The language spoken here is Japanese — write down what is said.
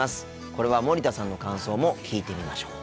これは森田さんの感想も聞いてみましょう。